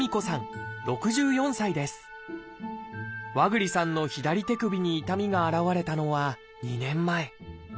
和栗さんの左手首に痛みが現れたのは２年前。